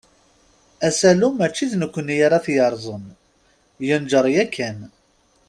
Asalu, mačči d nekni ara t-yerẓen, yenǧer yakan.